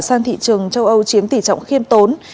sang thị trường châu âu chiếm tỷ trọng khiêm tốn